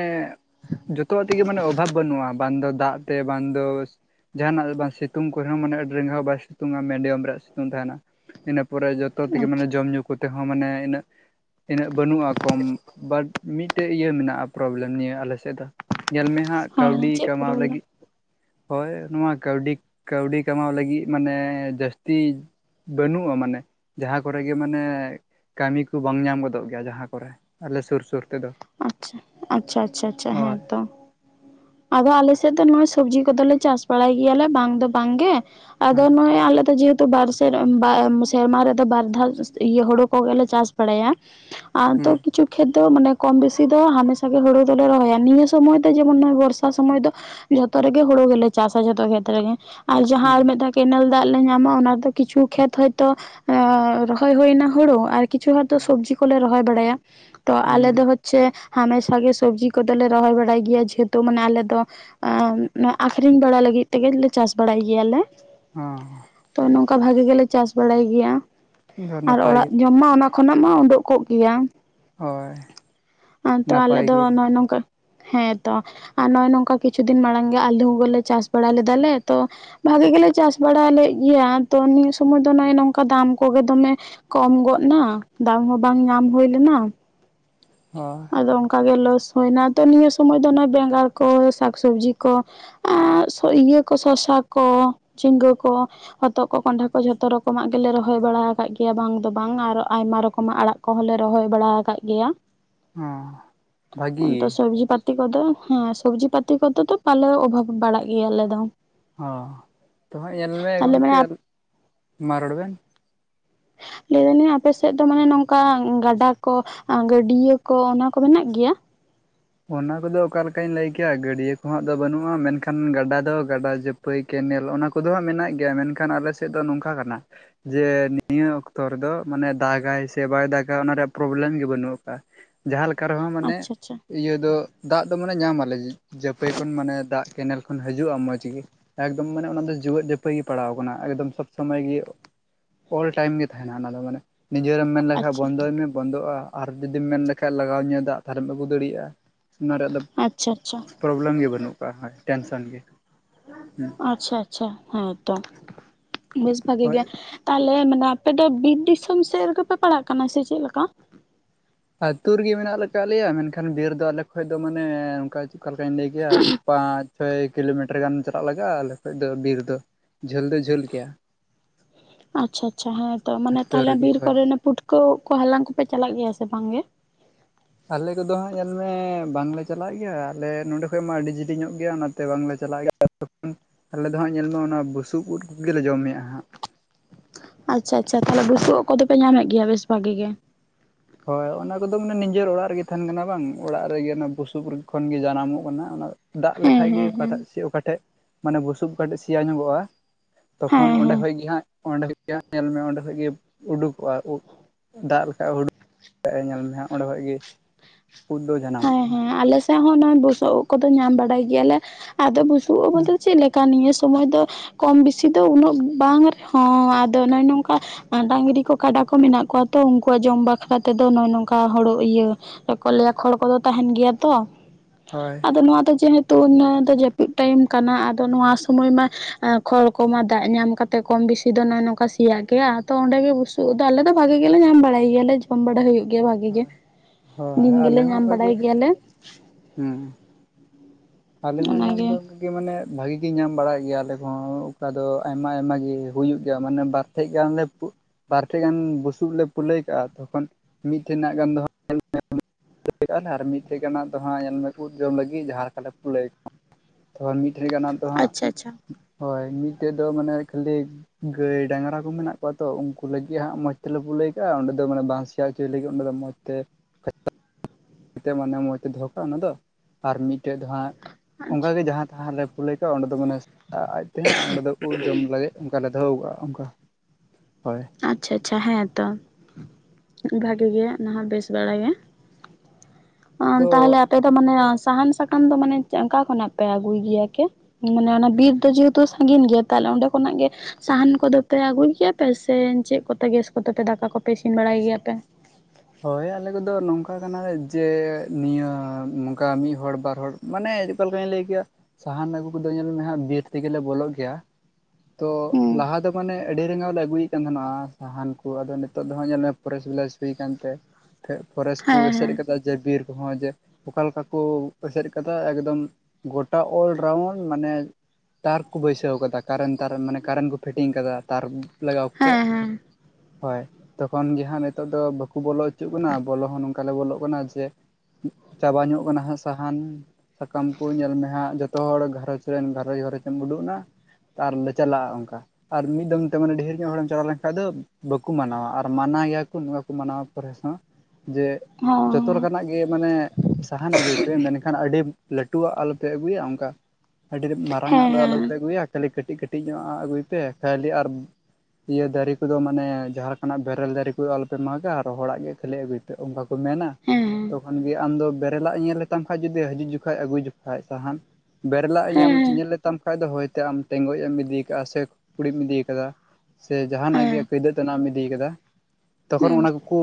ᱡᱚᱛᱚᱣᱟᱜ ᱛᱮᱜᱮ ᱢᱟᱱᱮ ᱚᱵᱷᱟᱵᱽ ᱵᱟᱹᱱᱩᱜᱼᱟ ᱵᱟᱝ ᱫᱚ ᱫᱟᱜ ᱛᱮ ᱵᱟᱝ ᱫᱚ ᱡᱟᱦᱟᱱᱟᱜ ᱵᱟᱝ ᱥᱤᱛᱩᱝ ᱠᱚᱨᱮ ᱦᱚᱸ ᱢᱟᱱᱮ ᱟᱹᱰᱤ ᱨᱮᱸᱜᱟᱣ ᱦᱚᱸ ᱵᱟᱭ ᱥᱤᱛᱩᱝᱟ ᱢᱰᱤᱭᱟᱢ ᱵᱮᱥ ᱥᱤᱛᱩᱝ ᱛᱟᱦᱮᱱᱟ ᱤᱱᱟᱹ ᱯᱚᱨᱮ ᱡᱚᱛᱚ ᱛᱮᱜᱮ ᱟᱪᱪᱷᱟ ᱢᱟᱱᱮ ᱡᱚᱢ ᱧᱩ ᱠᱚᱛᱮ ᱦᱚᱸ ᱢᱟᱱᱮ ᱤᱱᱟᱹᱜ ᱤᱱᱟᱹᱜ ᱵᱟᱹᱱᱩᱜᱼᱟ ᱠᱚᱢ, ᱵᱟᱴ ᱢᱤᱫᱴᱮᱡ ᱤᱭᱟᱹ ᱢᱮᱱᱟᱜᱼᱟ ᱯᱨᱚᱵᱞᱮᱢ ᱱᱤᱭᱟᱹ ᱟᱞ ᱥᱮᱫ ᱫᱚ ᱧᱮᱞ ᱢᱮ ᱦᱟᱸᱜ ᱦᱮᱸ ᱠᱟᱹᱣᱰᱤ ᱪᱮᱫ ᱠᱟᱢᱟᱣ ᱯᱨᱚᱵᱞᱮᱢ ᱞᱟᱹᱜᱤᱫ ᱦᱳᱭ ᱱᱚᱣᱟ ᱠᱟᱹᱣᱰᱤ ᱠᱟᱹᱣᱰᱤ ᱠᱟᱢᱟᱣ ᱞᱟᱹᱜᱤᱫ ᱢᱟᱱᱮ ᱡᱟᱹᱥᱛᱤ ᱵᱟᱹᱱᱩᱜᱼᱟ ᱢᱟᱱᱮ, ᱡᱟᱦᱟᱸ ᱠᱚᱨᱮ ᱜᱮ ᱢᱟᱱᱮ ᱠᱟᱹᱢᱤ ᱠᱚ ᱵᱟᱝ ᱧᱟᱢ ᱜᱚᱫᱚᱜ ᱜᱮᱭᱟ ᱡᱟᱦᱟᱸ ᱠᱚᱨᱮ ᱟᱞᱮ ᱥᱩᱨ ᱥᱩᱨ ᱛᱮᱫᱚ ᱾ ᱟᱪᱪᱷᱟ ᱟᱪᱪᱷᱟ ᱟᱪᱪᱷᱟ ᱟᱪᱪᱷᱟ ᱦᱮᱸ ᱛᱚ ᱾ ᱟᱫᱚ ᱟᱞᱮ ᱥᱮᱫ ᱫᱚ ᱱᱚᱜ-ᱚᱭ ᱥᱚᱵᱽᱡᱤ ᱠᱚᱫᱚ ᱞᱮ ᱪᱟᱥ ᱵᱟᱲᱟᱭ ᱜᱮᱭᱟᱞᱮ ᱵᱟᱝ ᱫᱚ ᱵᱟᱝ ᱜᱮ ᱾ ᱟᱫᱚ ᱦᱮᱸ ᱱᱚᱜᱼᱚᱭ ᱟᱞᱮ ᱫᱚ ᱡᱮᱦᱮ ᱛᱚ ᱵᱟᱨ ᱥᱮᱨ [unintelligible] ᱥᱮᱨᱢᱟ ᱨᱮᱫᱚ ᱵᱟᱨ ᱫᱷᱟᱣ ᱦᱩᱲᱩ ᱠᱚ ᱜᱮᱞᱮ ᱪᱟᱥ ᱵᱟᱲᱟᱭᱟ ᱾ ᱟᱨ ᱦᱩᱸ ᱱᱤᱛᱚᱜ ᱠᱪᱩ ᱠᱷᱮᱛ ᱫᱚ ᱢᱟᱱᱮ ᱠᱚᱢ ᱵᱮᱥᱤ ᱫᱚ ᱦᱟᱢᱮᱥᱟ ᱜᱮ ᱦᱩᱲᱩ ᱫᱚᱞᱮ ᱨᱚᱦᱚᱭᱟ, ᱱᱤᱭᱟᱹ ᱥᱚᱢᱚᱭ ᱫᱚ ᱡᱮᱢᱚᱱ ᱱᱚᱭ ᱵᱚᱨᱥ ᱥᱟ ᱥᱚᱢᱚᱭ ᱫᱚ ᱡᱚᱛᱚ ᱨᱮᱜᱮ ᱦᱩᱲᱩ ᱜᱮᱞᱮ ᱪᱟᱥᱟ ᱡᱷᱚᱛᱚ ᱠᱷᱮᱛ ᱨᱮᱜᱮ ᱾ ᱟᱨ ᱡᱟᱦᱟᱸ ᱦᱩᱸ ᱟᱨ ᱢᱮᱫ ᱫᱷᱟᱣ ᱠᱮᱱᱮᱞ ᱫᱟᱜ ᱞᱮ ᱧᱟᱢᱟ ᱚᱱᱟ ᱨᱮᱫᱚ ᱠᱤᱪᱷᱩ ᱠᱷᱮᱛ ᱦᱚᱭᱛᱚ ᱨᱚᱦᱚᱭ ᱦᱩᱭᱱᱟ ᱦᱩᱲᱩ ᱟᱨ ᱠᱤᱪᱷᱩ ᱦᱚᱲ ᱫᱚ ᱥᱚᱵᱽᱡᱤ ᱠᱚᱞᱮ ᱨᱚᱦᱚᱭ ᱵᱟᱲᱟᱭᱟ ᱛᱚ ᱟᱞᱮ ᱦᱩᱸ ᱫᱚ ᱪᱷᱮ ᱦᱟᱢᱮᱥᱟ ᱜᱮ ᱥᱚᱵᱽᱡᱤ ᱠᱚᱫᱚ ᱞᱮ ᱨᱚᱦᱚᱭ ᱵᱟᱲᱟᱭ ᱜᱮᱭᱟ ᱡᱮᱦᱮᱛᱩ ᱢᱟᱱᱮ ᱟᱞᱮ ᱫᱚ ᱮᱸᱢ ᱟᱠᱷᱨᱤᱧ ᱵᱟᱲᱟ ᱞᱟᱹᱜᱤᱫ ᱛᱮᱜᱮ ᱞᱮ ᱪᱟᱥ ᱵᱟᱲᱟᱭ ᱜᱮᱭᱟᱞᱮ ᱾ ᱦᱚᱸ ᱾ ᱛᱚ ᱱᱚᱝᱠᱟ ᱵᱷᱟᱜᱮ ᱜᱮᱞᱮ ᱪᱟᱥ ᱵᱟᱲᱟᱭ ᱜᱮᱭᱟ, ᱟᱫᱚ ᱟᱨ ᱱᱟᱯᱟᱭ ᱚᱲᱟᱜ ᱜᱮ ᱡᱚᱢ ᱢᱟ ᱚᱱᱟ ᱠᱷᱚᱱᱟᱜ ᱢᱟ ᱳᱸᱰᱳᱜ ᱠᱚᱜ ᱜᱮᱭᱟ ᱦᱳᱭ ᱾ ᱟᱨ ᱛᱚ ᱟᱞᱮ ᱱᱟᱯᱟᱭ ᱫᱚ ᱜᱮ ᱱᱚᱜᱼᱚᱭ ᱱᱚᱝᱠᱟ, ᱦᱮᱸᱛᱚ᱾ ᱟᱨ ᱱᱚᱜᱼᱚᱭ ᱱᱚᱝᱠᱟ ᱠᱤᱪᱷᱩ ᱫᱤᱱ ᱢᱟᱲᱟᱝ ᱜᱮ ᱟᱹᱞᱩ ᱠᱚᱞᱮ ᱪᱟᱥ ᱵᱟᱲᱟ ᱞᱮᱫᱟᱞᱮ ᱛᱚ ᱵᱷᱟᱜᱮ ᱜᱮᱞᱮ ᱪᱟᱥ ᱵᱟᱲᱟ ᱞᱮᱫ ᱜᱮᱭᱟ ᱛᱚ ᱱᱤᱭᱟᱹ ᱥᱚᱢᱚᱭ ᱫᱚ ᱱᱚᱜᱼᱚᱭ ᱱᱚᱝᱠᱟ ᱫᱟᱢ ᱠᱚᱜᱮ ᱫᱚᱢᱮ ᱠᱚᱢ ᱜᱚᱫ ᱮᱱᱟ ᱫᱟᱢ ᱦᱚᱸ ᱵᱟᱝ ᱧᱟᱢ ᱦᱩᱭ ᱞᱮᱱᱟ᱾ ᱦᱚᱭ᱾ ᱟᱫᱚ ᱚᱱᱠᱟ ᱜᱮ ᱞᱚᱥ ᱦᱩᱭᱱᱟ ᱛᱚ ᱱᱤᱭᱟᱹ ᱥᱚᱢᱚᱭ ᱫᱚ ᱱᱚᱜᱼᱚᱭ ᱵᱮᱸᱜᱟᱲ ᱠᱚ ᱥᱟᱠ ᱥᱚᱵᱽᱡᱤ ᱠᱚ ᱟᱨ ᱥᱚ ᱤᱭᱟᱹ ᱠᱚ ᱥᱚᱥᱟ ᱠᱚ ᱡᱷᱤᱸᱜᱟᱹ ᱠᱚ ᱦᱚᱛᱚᱫ ᱠᱚ ᱠᱚᱸᱰᱷᱟ ᱠᱚ ᱡᱷᱚᱛᱚ ᱨᱚᱠᱚᱢᱟᱜ ᱜᱮᱞᱮ ᱨᱚᱦᱚᱭ ᱵᱟᱲᱟ ᱠᱟᱜ ᱜᱮᱭᱟ ᱵᱟᱝ ᱫᱚ ᱵᱟᱝ ᱟᱨᱚ ᱟᱭᱢᱟ ᱨᱚᱠᱚᱢᱟᱜ ᱟᱲᱟᱜ ᱠᱚᱦᱚᱸ ᱞᱮ ᱨᱚᱦᱚᱭ ᱵᱟᱲᱟ ᱟᱠᱟᱫ ᱜᱮᱭᱟ᱾ ᱚ᱾ ᱚᱱᱛᱮ ᱥᱚᱵᱽᱡᱤ ᱯᱟᱛᱤ ᱠᱚᱫᱚ ᱦᱮᱸ ᱥᱚᱵᱽᱡᱤ ᱯᱟᱛᱤ ᱠᱚᱫᱚ ᱛᱚ ᱵᱟᱞᱮ ᱚᱵᱷᱟᱵᱽ ᱵᱟᱲᱟᱜ ᱜᱮᱭᱟ ᱟᱞᱮ ᱫᱚ᱾ ᱚ, ᱛᱚ ᱦᱟᱸᱜ ᱧᱮᱞᱢᱮ ᱛᱟᱦᱚᱞᱮ ᱢᱟᱱᱮ ᱜᱚᱝᱠᱮ, ᱢᱟ ᱨᱚᱲ ᱵᱮᱱ ᱞᱟᱹᱭ ᱫᱟᱞᱤᱧ ᱟᱯᱮ ᱥᱮᱫ ᱫᱚ ᱢᱟᱱᱮ ᱱᱚᱝᱠᱟ ᱜᱟᱰᱟ ᱠᱚ ᱜᱟᱹᱰᱭᱟᱹ ᱠᱚ ᱚᱱᱟ ᱠᱚ ᱢᱮᱱᱟᱜ ᱜᱮᱭᱟ? ᱚᱱᱟ ᱠᱚᱫᱚ ᱚᱠᱟ ᱞᱮᱠᱟᱧ ᱞᱟᱹᱭ ᱠᱮᱭᱟ ᱜᱟᱹᱰᱭᱟᱹ ᱠᱚ ᱦᱟᱸᱜ ᱫᱚ ᱵᱟᱹᱱᱩᱜᱼᱟ ᱢᱮᱱᱠᱷᱟᱱ ᱜᱟᱰᱟ ᱫᱚ ᱜᱟᱰᱟ ᱡᱟᱹᱯ ᱯᱟᱹᱭ ᱠᱮᱱᱮᱞ ᱚᱱᱟ ᱠᱚᱫᱚ ᱦᱟᱸᱜ ᱢᱮᱱᱟᱜ ᱜᱮᱭᱟ ᱢᱮᱱᱠᱷᱟᱱ ᱟᱞᱮ ᱥᱮᱫ ᱫᱚ ᱱᱚᱝᱠᱟ ᱠᱟᱱᱟ ᱡᱮ ᱱᱤᱭᱟᱹ ᱚᱠᱛᱚ ᱨᱮᱫᱚ ᱢᱟᱱᱮ ᱫᱟᱜᱟᱭ ᱥᱮ ᱵᱟᱭ ᱫᱟᱜᱟ ᱚᱱᱟ ᱨᱮᱭᱟᱜ ᱯᱨᱳᱵᱞᱮᱢ ᱜᱮ ᱵᱟᱹᱱᱩᱜ ᱟᱠᱟᱜᱼᱟ᱾ ᱡᱟᱦᱟᱸ ᱞᱮᱠᱟ ᱨᱮᱦᱚᱸ ᱢᱟᱱᱮ ᱟᱪᱪᱷᱟ ᱟᱪᱪᱷᱟ ᱤᱭᱟᱹ ᱫᱚ ᱫᱟᱜ ᱫᱚ ᱢᱟᱱᱮ ᱧᱟᱢᱟᱞᱮ ᱡᱟᱹᱯᱟᱹᱭ ᱠᱷᱚᱱ ᱢᱟᱱᱮ ᱫᱟᱜ ᱠᱮᱱᱮᱞ ᱠᱷᱚᱱ ᱦᱤᱡᱩᱜᱼᱟ ᱢᱚᱸᱡᱽ ᱜᱮ᱾ ᱮᱠᱫᱚᱢ ᱢᱟᱱᱮ ᱚᱱᱟ ᱫᱚ ᱡᱤᱣᱮᱫ ᱡᱟᱹᱯᱟᱹᱭ ᱜᱮ ᱯᱟᱲᱟᱣ ᱠᱟᱱᱟ ᱮᱠᱫᱚᱢ ᱥᱚᱵ ᱥᱚᱢᱚᱭ ᱜᱮ ᱚᱞ ᱴᱟᱭᱤᱢ ᱜᱮ ᱛᱟᱦᱮᱸᱱᱟ ᱚᱱᱟ ᱫᱚ ᱢᱟᱱᱮ᱾ ᱱᱤᱡᱮᱨᱮᱢ ᱢᱮᱱ ᱞᱮᱠᱷᱟᱡ ᱟᱪᱪᱷᱟ ᱵᱚᱱᱫᱚᱭ ᱢᱮ ᱵᱚᱱᱫᱚᱜᱼᱟ ᱟᱨ ᱡᱩᱫᱤᱢ ᱢᱮᱱ ᱞᱮᱠᱷᱟᱡ ᱞᱟᱜᱟᱣᱤᱧᱟᱹ ᱫᱟᱜ ᱛᱟᱦᱚᱞᱮ ᱟᱹᱜᱩ ᱫᱟᱲᱤᱭᱟᱜᱼᱟ ᱚᱱᱟ ᱨᱮᱭᱟᱜ ᱫᱚ ᱟᱪᱪᱷᱟ ᱯᱨᱳᱵᱞᱮᱢ ᱜᱮ ᱵᱟᱹᱱᱩᱜ ᱟᱠᱟᱜᱼᱟ ᱦᱟᱭ ᱴᱮᱱᱥᱮᱱ ᱜᱮ᱾ ᱦᱩᱸ ᱟᱪᱪᱷᱟ ᱟᱪᱪᱷᱟ ᱦᱮᱸᱛᱚ, ᱵᱮᱥ ᱵᱷᱟᱜᱮ ᱦᱳᱭ ᱜᱮ᱾ ᱛᱟᱦᱚᱞᱮ ᱢᱟᱱᱮ ᱟᱯᱮ ᱫᱚ ᱵᱤᱨ ᱫᱤᱥᱚᱢ ᱥᱮᱫ ᱨᱮᱜᱮ ᱯᱮ ᱯᱟᱲᱟᱜ ᱠᱟᱱᱟ ᱥᱮ ᱪᱮᱫ ᱞᱮᱠᱟ? ᱟᱹᱛᱩ ᱨᱮᱜᱮ ᱢᱮᱱᱟᱜ ᱞᱮ ᱟᱠᱟᱫ ᱞᱮᱭᱟ ᱢᱮᱱᱠᱷᱟᱱ ᱵᱤᱨ ᱫᱚ ᱟᱞᱮ ᱠᱷᱚᱡ ᱫᱚ ᱢᱟᱱᱮ ᱚᱱᱠᱟ ᱚᱠᱟ ᱞᱮᱠᱟᱧ ᱞᱟᱹᱭ ᱠᱮᱭᱟ ᱯᱟᱸᱪ ᱪᱷᱚᱭ ᱠᱤᱞᱳᱢᱤᱴᱟᱨ ᱜᱟᱱ ᱪᱟᱞᱟᱜ ᱞᱟᱜᱟᱜᱼᱟ ᱟᱞᱮ ᱠᱷᱚᱡ ᱫᱚ ᱵᱤᱨ ᱫᱚ ᱡᱷᱟᱹᱞ ᱫᱚ ᱡᱷᱟᱹᱞ ᱜᱮᱭᱟ᱾ [inaudible] ᱟᱪᱪᱷᱟ ᱟᱪᱪᱷᱟ ᱦᱮᱸ ᱛᱚ, ᱢᱟᱱᱮ ᱟᱹᱛᱩ ᱛᱟᱦᱚᱞᱮ ᱨᱮᱜᱮ ᱵᱤᱨ ᱦᱳᱭ ᱠᱚᱨᱮ ᱚᱱᱮ ᱯᱩᱴᱠᱟᱹ ᱩᱫ ᱠᱚ ᱦᱟᱞᱟᱝ ᱠᱚᱯᱮ ᱪᱟᱞᱟᱜ ᱜᱮᱭᱟ ᱥᱮ ᱵᱟᱝᱜᱮ? ᱟᱞᱮ ᱠᱚᱫᱚ ᱦᱟᱸᱜ ᱧᱮᱞ ᱢᱮ ᱵᱟᱝᱞᱮ ᱪᱟᱞᱟᱜ ᱜᱮᱭᱟ ᱟᱞᱮ ᱱᱚᱸᱰᱮ ᱠᱷᱚᱡ ᱢᱟ ᱟᱹᱰᱤ ᱡᱤᱞᱤᱧᱚᱜ ᱜᱮᱭᱟ ᱚᱱᱟ ᱛᱮ ᱵᱟᱝᱞᱮ ᱪᱟᱞᱟᱜ [inaudible] ᱟᱞᱮ ᱫᱚ ᱦᱟᱸᱜ ᱧᱮᱞ ᱢᱮ ᱚᱱᱟ ᱵᱩᱥᱩᱵ ᱩᱫ ᱠᱚᱜᱮᱞᱮ ᱡᱚᱢᱮᱜᱼᱟ ᱦᱟᱸᱜ᱾ ᱟᱪᱪᱷᱟ ᱟᱪᱪᱷᱟ ᱛᱟᱦᱚᱞᱮ ᱵᱩᱥᱩᱵ ᱩᱫ ᱠᱚᱫᱚᱯᱮ ᱧᱟᱢᱮᱫ ᱜᱮᱭᱟ ᱵᱮᱥ ᱵᱷᱟᱜᱮ ᱜᱮ? ᱦᱳᱭ ᱚᱱᱟ ᱠᱚᱫᱚ ᱢᱟᱱᱮ ᱱᱤᱡᱮᱨ ᱚᱲᱟᱜ ᱨᱮᱜᱮ ᱛᱟᱦᱮᱸᱱ ᱠᱟᱱᱟ ᱵᱟᱝ ᱚᱲᱟᱜ ᱨᱮᱜᱮ ᱚᱱᱟ ᱵᱩᱥᱩᱵ ᱨᱮ ᱠᱷᱚᱱ ᱜᱮ ᱡᱟᱱᱟᱢᱚᱜ ᱠᱟᱱᱟ ᱚᱱᱟ ᱫᱟᱜ ᱦᱮᱸ ᱞᱮᱠᱷᱟᱡ ᱜᱮ ᱦᱮᱸ ᱦᱮᱸ ᱚᱠᱟᱴᱟᱜ ᱥᱮ ᱚᱠᱟᱴᱷᱮᱡ ᱢᱟᱱᱮ ᱵᱩᱥᱩᱵ ᱚᱠᱟᱴᱷᱮᱡ ᱥᱤᱭᱟ ᱧᱚᱜᱚᱜᱼᱟ ᱛᱚᱠᱷᱚᱱ ᱦᱮᱸ ᱚᱸᱰᱮ ᱦᱮᱸ ᱠᱷᱚᱡ ᱜᱮ ᱦᱟᱸᱜ ᱚᱸᱰᱮ ᱠᱷᱚᱡ ᱜᱮ ᱦᱟᱸᱜ ᱧᱮᱞ ᱢᱮ ᱚᱸᱰᱮ ᱠᱷᱚᱡ ᱜᱮ ᱩᱰᱩᱠᱚᱜᱼᱟ ᱩᱫ᱾ ᱫᱟᱜ ᱞᱮᱠᱷᱟᱡ ᱦᱩᱰᱩ [inaudible] ᱧᱮᱞ ᱢᱮ ᱦᱟᱸᱜ ᱚᱸᱰᱮ ᱠᱷᱚᱡ ᱜᱮ ᱩᱫ ᱫᱚ ᱡᱟᱱᱟᱢᱚᱜ ᱦᱮᱸ ᱠᱟᱱᱟ᱾ ᱦᱮᱸ ᱟᱞᱮ ᱥᱮᱫ ᱦᱚᱸ ᱚᱱᱟ ᱵᱩᱥᱩᱵ ᱩᱫ ᱠᱚᱫᱚ ᱧᱟᱢ ᱵᱟᱲᱟᱭ ᱜᱮᱭᱟᱞᱮ ᱟᱫᱚ ᱵᱩᱥᱩᱵ ᱩᱵ ᱦᱮᱸ ᱵᱚᱞᱛᱮ ᱪᱮᱫ ᱞᱮ ᱠᱟ ᱱᱤᱭᱟᱹ ᱥᱚᱢᱚᱭ ᱫᱚ ᱠᱚᱢ ᱵᱤᱥᱤ ᱫᱚ ᱩᱱᱟᱹᱜ ᱵᱟᱝ ᱨᱮᱦᱚᱸ ᱟᱫᱚ ᱱᱚᱜ-ᱚᱭ ᱱᱚᱝᱠᱟ ᱮᱸ ᱰᱟᱝᱨᱤ ᱠᱚ ᱠᱟᱰᱟ ᱠᱚ ᱢᱮᱱᱟᱜ ᱠᱚᱣᱟ ᱛᱚ ᱩᱱᱠᱩᱣᱟᱜ ᱡᱚᱢ ᱵᱟᱠᱷᱨᱟ ᱛᱮᱫᱚ ᱱᱚᱜ-ᱚᱭ ᱱᱚᱝᱠᱟ ᱦᱳᱲᱳ ᱤᱭᱟᱹ ᱨᱮᱠᱚ ᱞᱟᱹᱭᱟ ᱠᱷᱚᱲ ᱠᱚᱫᱚ ᱛᱟᱦᱮᱱ ᱜᱮᱭᱟ ᱛᱚ᱾ ᱦᱳᱭ᱾ ᱟᱫᱚ ᱱᱚᱣᱟ ᱫᱚ ᱡᱮᱦᱮᱛᱩ ᱱᱚᱣᱟ ᱫᱚ ᱡᱟᱹᱯᱤᱫ ᱴᱟᱭᱤᱢ ᱠᱟᱱᱟ ᱟᱫᱚ ᱱᱚᱣᱟ ᱥᱩᱢᱚᱭ ᱢᱟ ᱟᱸ ᱠᱷᱚᱲ ᱠᱚᱢᱟ ᱫᱟᱜ ᱧᱟᱢ ᱠᱟᱛᱮ ᱠᱚᱢ ᱵᱤᱥᱤ ᱫᱚ ᱱᱚᱜ-ᱚᱭ ᱱᱚᱝᱠᱟ ᱥᱮᱭᱟᱜ ᱜᱮᱭᱟ ᱛᱚ ᱚᱸᱰᱮ ᱜᱮ ᱵᱩᱥ ᱩᱫᱽ ᱫᱚ ᱟᱞᱮ ᱫᱚ ᱵᱷᱟᱜᱮ ᱜᱮᱞᱮ ᱧᱟᱢ ᱵᱟᱲᱟᱭ ᱜᱮᱭᱟᱞᱮ ᱡᱚᱢ ᱵᱟᱲᱟ ᱦᱩᱭᱩᱜ ᱜᱮ ᱵᱷᱟᱜᱤ ᱜᱮ, ᱦᱳᱭ ᱫᱤᱱ ᱟᱞᱮ ᱜᱮᱞᱮ ᱦᱚᱸ ᱧᱟᱢ ᱚᱱᱠᱟ ᱜᱮ ᱵᱟᱲᱟᱭ ᱜᱮᱭᱟᱞᱮ᱾ ᱦᱩᱸ᱾ ᱟᱞᱮ ᱦᱚᱸ ᱧᱟᱢ ᱚᱱᱟᱜᱮ ᱫᱚᱞᱮ ᱜᱮ ᱢᱟᱱᱮ ᱵᱷᱟᱜᱤ ᱜᱮ ᱧᱟᱢ ᱵᱟᱲᱟᱭᱮᱫ ᱜᱮᱭᱟ ᱟᱞᱮ ᱦᱚᱸ ᱚᱠᱟ ᱫᱚ ᱟᱭᱢᱟ ᱟᱭᱢᱟ ᱜᱤ ᱦᱩᱭᱩᱜ ᱜᱮᱭᱟ ᱢᱟᱱᱮ ᱵᱟᱨ ᱴᱷᱮᱡ ᱜᱟᱱ ᱞᱮ ᱛᱩᱜ ᱵᱟᱨ ᱴᱷᱮᱡ ᱜᱟᱱ ᱵᱩᱥᱩᱵ ᱞᱮ ᱯᱩᱞᱟᱹᱭ ᱠᱟᱜᱼᱟ ᱛᱚᱠᱷᱚᱱ ᱢᱤᱫᱴᱷᱮᱱᱟᱜ ᱜᱟᱱ ᱫᱚᱦᱟᱸᱜ [unintelligible] [unintelligible] ᱟᱨ ᱢᱤᱫᱴᱷᱮᱡ ᱜᱟᱱᱟᱜ ᱫᱚ ᱦᱟᱸᱜ ᱧᱮᱞ ᱢᱮ ᱩᱫ ᱡᱚᱢ ᱞᱟᱹᱜᱤᱫ ᱡᱟᱦᱟᱸ ᱞᱮᱠᱟᱞᱮ ᱞᱟᱹᱭ ᱛᱚᱠᱷᱚᱱ ᱢᱤᱫ ᱴᱷᱮᱱ ᱜᱮ ᱚᱱᱟ ᱫᱚ ᱦᱟᱸᱜ ᱟᱪᱪᱷᱟ ᱟᱪᱪᱷᱟ ᱦᱳᱭ ᱢᱤᱫᱴᱮᱡ ᱫᱚ ᱢᱟᱱᱮ ᱠᱷᱟᱹᱞᱤ ᱜᱟᱹᱭ ᱰᱟᱝᱨᱟ ᱠᱚ ᱢᱮᱱᱟᱜ ᱠᱚᱣᱟ ᱛᱚ ᱩᱱᱠᱩ ᱞᱟᱹᱜᱤᱫ ᱦᱟᱸᱜ ᱢᱚᱸᱡᱽ ᱛᱮᱞᱮ ᱯᱩᱞᱟᱹᱭ ᱠᱟᱜᱼᱟ ᱚᱸᱰᱮ ᱫᱚ ᱢᱟᱱᱮ ᱵᱟᱸᱥ ᱪᱟᱜ ᱪᱚᱭ ᱞᱟᱹᱜᱤᱫ ᱚᱸᱰᱮ ᱫᱚ ᱢᱚᱡᱽ ᱛᱮ ᱢᱤᱫᱛᱮ ᱢᱟᱱᱮ ᱢᱚᱸᱡᱽ ᱛᱮ ᱫᱚᱦᱚ ᱠᱟᱜᱼᱟ ᱚᱱᱟ ᱫᱚ ᱟᱨ ᱢᱤᱫᱴᱮᱡ ᱫᱚ ᱦᱟᱸᱜ ᱚᱱᱠᱟ ᱟᱪᱪᱷᱟ ᱜᱮ ᱡᱟᱦᱟᱸ ᱛᱟᱦᱟᱸ ᱞᱮ ᱠᱩᱞᱟᱹᱭ ᱠᱟᱜᱼᱟ ᱚᱸᱰᱮ ᱫᱚ ᱢᱟᱱᱮ ᱟᱡ ᱛᱮ ᱦᱟᱸᱜ ᱚᱸᱰᱮ ᱫᱚ ᱩᱫ ᱡᱚᱢ ᱞᱟᱹᱜᱤᱫ ᱚᱝᱠᱟᱞᱮ ᱫᱚᱦᱚ ᱠᱟᱜᱼᱟ ᱚᱝᱠᱟ ᱦᱳᱭ᱾ ᱟᱪᱪᱷᱟ ᱟᱪᱪᱷᱟ ᱦᱮᱸ ᱛᱚ᱾ ᱵᱷᱟᱜᱮ ᱜᱮ ᱚᱱᱟ ᱦᱚᱸ ᱵᱮᱥ ᱵᱟᱲᱟ ᱜᱮ, ᱚ ᱛᱚ ᱛᱟᱦᱟᱞᱮ ᱟᱯᱮ ᱫᱚ ᱢᱟᱱᱮ ᱥᱟᱦᱟᱱ ᱥᱟᱠᱟᱢ ᱫᱚ ᱢᱟᱱᱮ ᱚᱠᱟ ᱠᱷᱚᱱᱟᱜ ᱯᱮ ᱟᱹᱜᱩᱭ ᱜᱮᱭᱟ ᱠᱤ? ᱢᱟᱱᱮ ᱚᱱᱟ ᱵᱤᱨ ᱫᱚ ᱡᱮᱦᱮᱛᱩ ᱥᱟᱺᱜᱤᱧ ᱜᱮᱭᱟ ᱛᱟᱦᱞᱮ ᱚᱰᱮ ᱠᱷᱚᱱᱟᱜ ᱜᱮ ᱥᱟᱦᱟᱱ ᱠᱚᱫᱚ ᱯᱮ ᱟᱹᱜᱩᱭ ᱜᱮᱭᱟ ᱯᱮ ᱥᱮ ᱪᱮᱫ ᱠᱚᱛᱮ ᱜᱮᱥ ᱠᱚᱛᱮ ᱯᱮ ᱫᱟᱠᱟ ᱠᱚᱯᱮ ᱤᱥᱤᱱ ᱵᱟᱲᱟᱭ ᱜᱮᱭᱟ ᱯᱮ? ᱦᱳᱭ ᱟᱞᱮ ᱠᱚᱫᱚ ᱱᱚᱝᱠᱟ ᱠᱟᱱᱟᱞᱮ ᱡᱮ ᱱᱤᱭᱟᱹ ᱱᱚᱝᱠᱟ ᱢᱤᱫ ᱦᱚᱲ ᱵᱟᱨ ᱦᱚᱲ ᱢᱟᱱᱮ ᱚᱠᱟ ᱞᱮᱠᱟᱧ ᱞᱟᱹᱭ ᱠᱮᱜ-ᱟ ᱥᱟᱦᱟᱱ ᱟᱹᱜᱩ ᱠᱚᱫᱚ ᱧᱮᱞ ᱢᱮ ᱦᱟᱸᱜ ᱵᱤᱨ ᱛᱮᱜᱮᱞᱮ ᱵᱚᱞᱚᱜ ᱜᱮᱭᱟ ᱛᱚ ᱦᱩᱸ ᱞᱟᱦᱟ ᱫᱚ ᱢᱟᱱᱮ ᱟᱹᱰᱤ [unintelligible] ᱞᱮ ᱟᱹᱜᱩᱭᱮᱫ ᱠᱟᱱ ᱛᱟᱦᱮᱸᱱᱟ ᱥᱟᱦᱟᱱ ᱠᱚ ᱟᱫᱚ ᱱᱤᱛᱚᱜ ᱫᱚ ᱦᱟᱸᱜ ᱧᱮᱞ ᱢᱮ ᱯᱷᱚᱨᱮᱥᱴ ᱵᱷᱤᱞᱮᱡᱽ ᱦᱩᱭ ᱠᱟᱱ ᱛᱮ, ᱯᱷᱮ ᱯᱷᱚᱨᱮᱥ ᱠᱚ ᱮᱥᱮᱫ ᱦᱮᱸ ᱠᱟᱫᱟ ᱡᱮ ᱵᱤᱨ ᱠᱚᱦᱚᱸ ᱡᱮ ᱚᱠᱟ ᱞᱮᱠᱟ ᱠᱚ ᱮᱥᱮᱫ ᱠᱟᱫᱟ ᱮᱠᱫᱚᱢ ᱜᱚᱴᱟ ᱚᱞ ᱨᱟᱣᱩᱱᱰ ᱢᱟᱱᱮ ᱛᱟᱨ ᱠᱚ ᱵᱟᱹᱭᱥᱟᱹᱣ ᱠᱟᱫᱟ ᱠᱟᱨᱮᱱ ᱛᱟᱨ ᱢᱟᱱᱮ ᱠᱟᱨᱮᱱ ᱠᱚ ᱯᱷᱤᱴᱤᱝ ᱠᱟᱫᱟ ᱛᱟᱨ ᱞᱟᱜᱟᱣ ᱠᱟᱛᱮᱜ ᱦᱮᱸ ᱦᱮᱸ ᱦᱳᱭ ᱛᱚᱠᱷᱚᱱ ᱜᱮ ᱦᱟᱸᱜ ᱱᱤᱛᱚᱜ ᱫᱚ ᱵᱟᱹ ᱠᱚ ᱵᱚᱞᱚ ᱚᱪᱚᱜ ᱠᱟᱱᱟ ᱵᱚᱞᱚ ᱦᱚᱸ ᱱᱚᱝᱠᱟ ᱞᱮ ᱵᱚᱞᱚᱜ ᱠᱟᱱᱟ ᱡᱮ ᱪᱟᱵᱟ ᱧᱚᱜ ᱠᱟᱱᱟ ᱦᱟᱸᱜ ᱥᱟᱦᱟᱱ ᱥᱟᱠᱟᱢ ᱠᱚ ᱧᱮᱞ ᱢᱮ ᱦᱟᱸᱜ ᱡᱷᱚᱛᱚ ᱦᱚᱲ ᱜᱷᱟᱸᱨᱚᱧᱡᱽ ᱨᱮᱱ ᱜᱷᱟᱸᱨᱚᱧᱡᱽ ᱜᱷᱟᱸᱨᱚᱧᱡᱽ ᱮᱢ ᱩᱰᱩᱠ ᱱᱟ ᱟᱨᱞᱮ ᱪᱟᱞᱟᱜᱼᱟ ᱚᱝᱠᱟ᱾ ᱟᱨ ᱢᱤᱫ ᱫᱚᱢ ᱢᱮᱛᱟᱜᱼᱢᱮ ᱚᱱᱮ ᱰᱷᱮᱨ ᱧᱚᱜ ᱦᱚᱲᱮᱢ ᱪᱟᱞᱟᱣ ᱞᱮᱱᱠᱷᱟᱡ ᱫᱚ ᱵᱟᱠᱚ ᱢᱟᱱᱟᱣᱟ ᱟᱨ ᱢᱟᱱᱟᱣ ᱜᱮᱭᱟ ᱠᱚ ᱱᱚᱣᱟ ᱠᱚ ᱢᱟᱱᱟᱣᱟ ᱯᱚᱨᱮᱥ ᱦᱚᱸ ᱡᱮ ᱦᱮᱸ ᱦᱚᱸ ᱡᱷᱚᱛᱚ ᱞᱮᱠᱟᱱᱟᱜ ᱜᱮ ᱢᱟᱱᱮ ᱥᱟᱦᱟᱱ ᱟᱹᱜᱩᱭ ᱯᱮ ᱢᱮᱱᱠᱷᱟᱱ ᱟᱹᱰᱤ ᱞᱟᱹᱴᱩᱣᱟᱜ ᱟᱞᱚᱯᱮ ᱟᱹᱜᱩᱭᱟ ᱚᱱᱠᱟ ᱟᱹᱰᱤᱨᱮᱯ ᱢᱟᱨᱟᱝ ᱟᱜ ᱦᱮᱸ ᱫᱚ ᱦᱮᱸ ᱟᱞᱚᱯᱮ ᱟᱹᱜᱩᱭᱟ᱾ ᱠᱷᱟᱹᱞᱤ ᱠᱟᱹᱴᱤᱡ ᱠᱟᱹᱴᱤᱡ ᱧᱚᱜᱼᱟ ᱟᱹᱜᱩᱭ ᱯᱮ ᱠᱷᱟᱹᱞᱤ ᱟᱨ ᱤᱭᱟᱹ ᱫᱟᱨᱮ ᱠᱚᱫᱚ ᱢᱟᱱᱮ ᱡᱟᱦᱟᱸ ᱞᱮᱠᱟᱱᱟᱜ ᱵᱮᱨᱮᱞ ᱫᱟᱨᱮ ᱠᱚ ᱟᱞᱚᱯᱮ ᱢᱟᱜᱟ ᱨᱚᱦᱚᱲᱟᱜ ᱜᱮ ᱠᱷᱟᱹᱞᱤ ᱟᱹᱜᱩᱭ ᱯᱮ ᱚᱱᱠᱟ ᱠᱚ ᱢᱮᱱᱟ ᱦᱮᱸ ᱛᱚᱠᱷᱚᱱ ᱜᱮ ᱟᱢ ᱫᱚ ᱵᱮᱨᱮᱞᱟᱜ ᱮ ᱧᱮᱞ ᱞᱮᱛᱟᱢ ᱠᱷᱟᱡ ᱡᱩᱫᱤ ᱦᱟᱹᱡᱩᱜ ᱡᱚᱠᱷᱟᱡ ᱟᱹᱜᱩ ᱡᱚᱠᱷᱟᱡ ᱥᱟᱦᱟᱱ ᱵᱮᱨᱮᱞᱟᱜ ᱮ ᱦᱮᱸ ᱧᱟᱢ ᱦᱮᱸ ᱧᱮᱞ ᱞᱮᱛᱟᱢ ᱠᱷᱟᱡ ᱫᱚ ᱦᱚᱭ ᱛᱮ ᱟᱢ ᱴᱮᱸᱜᱚᱡ ᱮᱢ ᱤᱫᱤᱠᱟᱜᱼᱟ ᱥᱮ ᱠᱩᱲᱤᱢ ᱤᱫᱤ ᱠᱟᱫᱟ ᱥᱮ ᱡᱟᱦᱟᱸᱱᱟᱜ ᱦᱮᱸ ᱦᱮᱸ ᱜᱮ ᱠᱟᱹᱭᱫᱟᱹ ᱛᱟᱱᱟᱜ ᱮᱢ ᱤᱫᱤ ᱠᱟᱫᱟ ᱛᱚᱠᱷᱚᱱ ᱦᱮᱸ ᱚᱱᱟ ᱠᱚᱠᱚ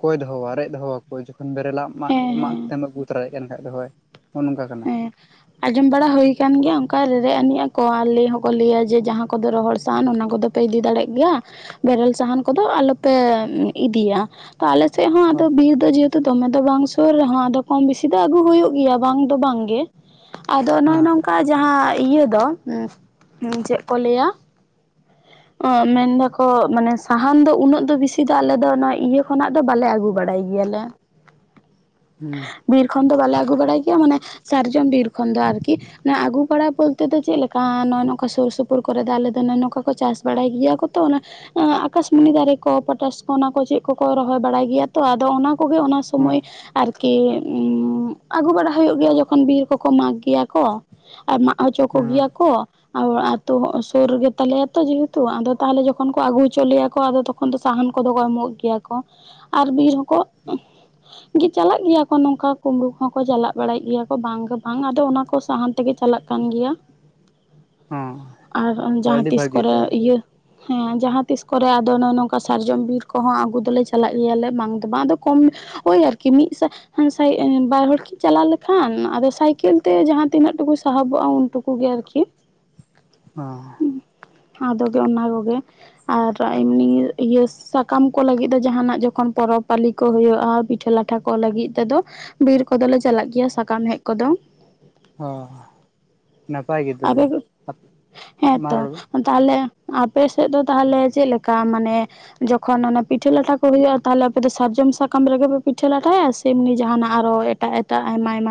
ᱠᱚᱭ ᱫᱚᱦᱚᱣᱟ ᱨᱮᱡ ᱫᱚᱦᱚᱣᱟ ᱠᱚ ᱡᱚᱠᱷᱚᱱ ᱵᱮᱨᱮᱞᱟᱜ ᱢᱟᱜ ᱢᱟᱜ ᱦᱮᱸ ᱛᱮᱢ ᱟᱹᱜᱩ ᱛᱚᱨᱟᱭ ᱛᱮᱦᱮᱱ ᱠᱷᱟᱡ ᱫᱚ ᱦᱳᱭ ᱱᱚᱜ-ᱚ ᱱᱚᱝᱠᱟ ᱠᱟᱱᱟ᱾ ᱦᱮᱸ ᱟᱸᱡᱚᱢ ᱵᱟᱲᱟ ᱦᱩᱭ ᱠᱟᱱ ᱜᱮᱭᱟ ᱚᱱᱠᱟ ᱨᱮ-ᱨᱮᱡ ᱟᱱᱤᱡ ᱟᱠᱚ ᱟᱨ ᱞᱟᱹᱭ ᱦᱚᱸᱠᱚ ᱞᱟᱹᱭᱟ ᱡᱮ ᱡᱟᱦᱟᱸ ᱠᱚᱫᱚ ᱨᱚᱦᱚᱲ ᱥᱟᱱ ᱚᱱᱟ ᱠᱚᱫᱚ ᱯᱮ ᱤᱫᱤ ᱫᱟᱲᱮᱜ ᱜᱮᱭᱟ ᱵᱮᱨᱮᱞ ᱥᱟᱦᱟᱱ ᱠᱚᱫᱚ ᱟᱞᱚ ᱯᱮ ᱤᱫᱤᱭᱟ᱾ ᱛᱚ ᱟᱞᱮ ᱥᱮᱜ ᱦᱚᱸ ᱟᱫᱚ ᱦᱳᱭ ᱵᱤᱨ ᱫᱚ ᱡᱮ ᱫᱚᱢᱮ ᱫᱚ ᱵᱟᱝ ᱥᱩᱨ ᱨᱮᱦᱚᱸ ᱟᱫᱚ ᱠᱚᱢ ᱵᱤᱥᱤ ᱫᱚ ᱟᱹᱜᱩ ᱦᱩᱭᱩᱜ ᱜᱮᱭᱟ ᱵᱟᱝ ᱫᱚ ᱵᱟᱝ ᱜᱮ ᱾ ᱟᱫᱚ ᱱᱚᱜ-ᱚᱭ ᱦᱮᱸ ᱱᱚᱝᱠᱟ ᱡᱟᱦᱟᱸ ᱤᱭᱟᱹ ᱫᱚ, ᱪᱮᱜ ᱠᱚ ᱞᱟᱹᱭᱟ? ᱟᱸ ᱢᱮᱱ ᱫᱟᱠᱚ ᱢᱟᱱᱮ ᱥᱟᱦᱟᱱ ᱫᱚ ᱩᱱᱟᱹᱜ ᱫᱚ ᱵᱤᱥᱤ ᱫᱚ ᱟᱞᱮ ᱫᱚ ᱚᱱᱟ ᱤᱭᱟᱹ ᱠᱷᱚᱱᱟᱜ ᱫᱚ ᱵᱟᱞᱮ ᱟᱹᱜᱩ ᱵᱟᱲᱟᱭ ᱜᱮᱭᱟᱞᱮ ᱾ ᱦᱩᱸ ᱾ ᱵᱤᱨ ᱠᱷᱚᱱ ᱫᱚ ᱵᱟᱞᱮ ᱟᱹᱜᱩ ᱵᱟᱲᱟᱭ ᱜᱮᱭᱟ ᱢᱟᱱᱮ ᱥᱟᱨᱡᱚᱢ ᱵᱤᱨ ᱠᱷᱚᱱ ᱫᱚ ᱟᱨᱠᱤ ᱾ ᱢᱟᱱᱮ ᱟᱹᱜᱩ ᱵᱟᱲᱟ ᱵᱚᱞᱛᱮ ᱫᱚ ᱪᱮᱜ ᱞᱮᱠᱟ ᱱᱚᱜ-ᱚᱭ ᱱᱚᱝᱠᱟ ᱥᱩᱨ ᱥᱩᱯᱩᱨ ᱠᱚᱨᱮ ᱫᱚ ᱟᱞᱮ ᱫᱚ ᱱᱚᱭ ᱱᱚᱝᱠᱟ ᱠᱚ ᱪᱟᱥ ᱵᱟᱲᱟᱭ ᱜᱮᱭᱟ ᱠᱚᱛᱚ ᱚᱱᱟ ᱟᱠᱟᱥᱢᱩᱱᱤ ᱫᱟᱨᱮ ᱠᱚ, ᱯᱚᱴᱟᱥ ᱠᱚ ᱚᱱᱟ ᱠᱚ ᱪᱮᱜ ᱠᱚᱠᱚ ᱨᱚᱦᱚᱭ ᱵᱟᱲᱟᱭ ᱜᱮᱭᱟ ᱛᱚ, ᱟᱫᱚ ᱚᱱᱟ ᱠᱚᱜᱮ ᱚᱱᱟ ᱦᱮᱸ ᱥᱚᱢᱚᱭ ᱟᱨᱠᱤ ᱩᱸ ᱟᱹᱜᱩ ᱵᱟᱲᱟ ᱦᱩᱭᱩᱜ ᱜᱮᱭᱟ ᱡᱚᱠᱷᱚᱱ ᱵᱤᱨ ᱠᱚᱠᱚ ᱢᱟᱜᱽ ᱜᱮᱭᱟ ᱠᱚ ᱾ ᱟᱨ ᱢᱟᱜ ᱦᱚᱪᱚ ᱦᱮᱸ ᱠᱚᱜᱮᱭᱟ ᱠᱚ ᱟᱨ ᱟᱹᱛᱩ ᱦᱚᱸ ᱥᱩᱨ ᱜᱮᱛᱟ ᱞᱮᱭᱟ ᱾ ᱡᱮᱦᱮᱛᱩ ᱟᱫᱚ ᱛᱟᱦᱚᱞᱮ ᱡᱚᱠᱷᱚᱱ ᱠᱚ ᱟᱹᱜᱩ ᱦᱚᱪᱚ ᱞᱮᱭᱟ ᱠᱚ ᱟᱫᱚ ᱛᱚᱠᱷᱚᱱ ᱫᱚ ᱥᱟᱦᱟᱱ ᱠᱚᱫᱚ ᱠᱚ ᱮᱢᱚᱜ ᱜᱮᱭᱟ ᱠᱚ ᱾ ᱟᱨ ᱵᱤᱨ ᱦᱚᱸᱠᱚ ᱜᱮ ᱪᱟᱞᱟᱜ ᱜᱮᱭᱟ ᱠᱚ ᱱᱚᱝᱠᱟ ᱠᱩᱢᱵᱽᱲᱩ ᱠᱚᱦᱚᱸ ᱠᱚ ᱪᱟᱞᱟᱜ ᱵᱟᱲᱟᱭ ᱜᱮᱭᱟ ᱠᱚ ᱵᱟᱝ ᱜᱮ ᱵᱟᱝ ᱟᱫᱚ ᱚᱱᱟ ᱠᱚ ᱥᱟᱦᱟᱱ ᱛᱮᱜᱮ ᱪᱟᱞᱟᱜ ᱠᱟᱱ ᱜᱮᱭᱟ, ᱟᱨ ᱡᱟᱦᱟᱸ ᱛᱤᱥ ᱠᱚᱨᱮ ᱛᱮ ᱤᱭᱟᱹ ᱦᱮᱸ ᱡᱟᱦᱟᱸ ᱛᱤᱥ ᱠᱚᱨᱮ ᱟᱫᱚ ᱱᱚᱜ-ᱚᱭ ᱱᱚᱝᱠᱟ ᱥᱟᱨᱡᱚᱢ ᱵᱤᱨ ᱠᱚᱦᱚᱸ ᱟᱹᱜᱩ ᱫᱚᱞᱮ ᱪᱟᱞᱟᱜ ᱜᱮᱭᱟᱞᱮ ᱵᱟᱝ ᱫᱚ ᱵᱟᱝ, ᱟᱫᱚ ᱠᱚᱢ ᱳᱭ ᱟᱨᱠᱤ ᱢᱤᱫ ᱥᱟ [unintelligible] ᱵᱟᱨ ᱦᱚᱲ ᱠᱤᱱ ᱪᱟᱞᱟᱣ ᱞᱮᱠᱷᱟᱱ ᱟᱫᱚ ᱥᱟᱭᱠᱮᱞ ᱛᱮ ᱡᱟᱦᱟᱸ ᱛᱤᱱᱟᱹᱜ ᱴᱩᱠᱩ ᱥᱟᱦᱚᱵᱚᱜᱼᱟ ᱩᱱᱴᱩᱠ ᱠᱚᱜᱮ ᱟᱨᱠᱤ ᱾ ᱚᱸ ᱾ ᱟᱫᱚ ᱫᱚ ᱚᱱᱟ ᱠᱚᱜᱮ, ᱟᱨ ᱮᱢᱱᱤ ᱤᱭᱟᱹ ᱥᱟᱠᱟᱢ ᱠᱚ ᱞᱟᱹᱜᱤᱫ ᱫᱚ ᱡᱟᱦᱟᱱᱟᱜ ᱡᱚᱠᱷᱚᱱ ᱯᱚᱨᱚᱵᱽ ᱯᱟᱹᱞᱤ ᱠᱚ ᱦᱩᱭᱩᱜᱼᱟ, ᱯᱤᱴᱷᱟᱹ ᱞᱟᱴᱷᱟ ᱠᱚ ᱞᱟᱹᱜᱤᱫ ᱛᱮᱫᱚ ᱵᱤᱨ ᱠᱚᱫᱚ ᱞᱮ ᱪᱟᱞᱟᱜ ᱜᱮᱭᱟ ᱥᱟᱠᱟᱢ ᱦᱮᱡ ᱠᱚᱫᱚ ᱾ ᱚ ᱱᱟᱯᱟᱭ ᱜᱮ ᱟᱯᱮ ᱛᱚᱵᱮ ᱾ ᱢᱟ ᱦᱮᱸᱛᱚ ᱨᱚᱲ ᱵᱮ ᱛᱟᱦᱚᱞᱮ ᱟᱯᱮ ᱥᱮᱫ ᱫᱚ ᱛᱟᱦᱚᱞᱮ ᱪᱮᱫ ᱞᱮᱠᱟ ᱢᱟᱱᱮ ᱡᱚᱠᱷᱚᱱ ᱚᱱᱟ ᱯᱤᱴᱷᱟᱹ ᱞᱟᱴᱷᱟ ᱠᱚ ᱦᱩᱭᱩᱜᱼᱟ ᱛᱟᱦᱞᱮ ᱟᱯᱮ ᱫᱚ ᱥᱟᱨᱡᱚᱢ ᱥᱟᱠᱟᱢ ᱨᱮᱜᱮ ᱯᱮ ᱯᱤᱴᱷᱟᱹ ᱞᱟᱴᱷᱟᱭᱟ ᱥᱮ ᱮᱢᱱᱤ ᱡᱟᱦᱟᱱᱟᱜ ᱟᱨᱚ? ᱮᱴᱟᱜ ᱮᱴᱟᱜ ᱟᱭᱢᱟ ᱟᱭᱢᱟ